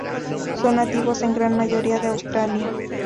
Son nativos en gran mayoría de Australia.